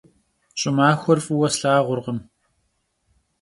Ş'ımaxuer f'ıue slhağurkhım.